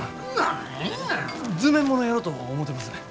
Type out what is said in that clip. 図面ものやろと思てますねん。